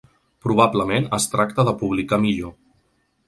Probablement es tracta de publicar millor.